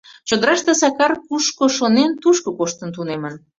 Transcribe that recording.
Чодыраште Сакар кушко шонен, тушко коштын тунемын.